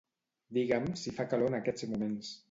Digue'm si fa calor en aquests moments.